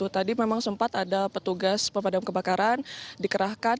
tadi memang sempat ada petugas pemadam kebakaran dikerahkan